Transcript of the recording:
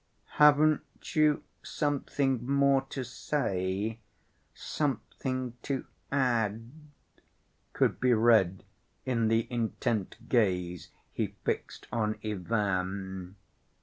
"Haven't you something more to say—something to add?" could be read in the intent gaze he fixed on Ivan.